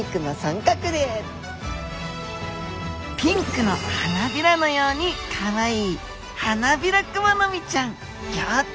ピンクの花びらのようにかわいいハナビラクマノミちゃんギョっち！